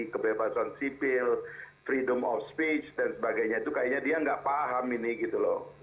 kebebasan sipil freedom of speech dan sebagainya itu kayaknya dia nggak paham ini gitu loh